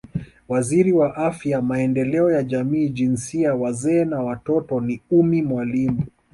Waziri wa Afya Maendeleo ya Jamii Jinsia Wazee na Watoto ni Ummy Mwalimu